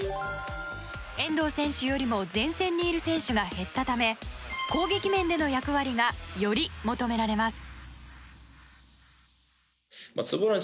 遠藤選手よりも前線にいる選手が減ったため攻撃面での役割がより求められます。